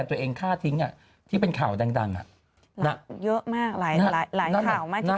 ตัวเองฆ่าทิ้งอ่ะที่เป็นข่าวดังอ่ะหลับเยอะมากหลายหลายหลายข่าวมากมายั้นแบบ